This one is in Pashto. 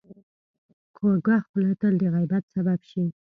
کوږه خوله تل د غیبت سبب شي